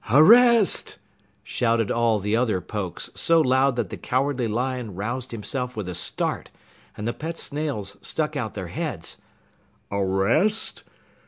"Arrest!" shouted all the other Pokes so loud that the Cowardly Lion roused himself with a start, and the pet snails stuck out their heads. "A rest?